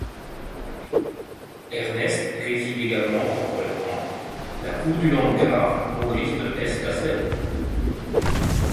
Ernest réside également temporairement la cour du landgrave Maurice de Hesse-Cassel.